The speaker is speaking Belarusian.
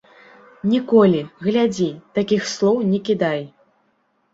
Ніколі, глядзі, такіх слоў не кідай.